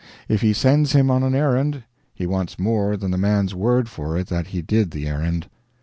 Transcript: If he sends him on an errand, he wants more than the man's word for it that he did the errand.